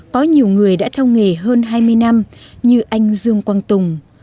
có nhiều người đã theo nghề hơn hai mươi năm như anh dương quang tùng